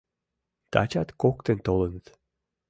Тачат коктын толыныт.